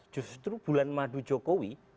justru bulan madu jokowi